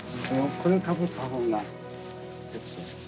これをかぶった方が。